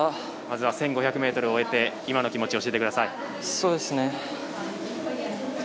まずは１５００ｍを終えて今の気持ちを教えてください。